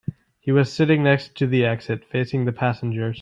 He was sitting next to the exit, facing the passengers.